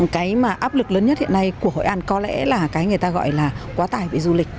cái mà áp lực lớn nhất hiện nay của hội an có lẽ là cái người ta gọi là quá tải về du lịch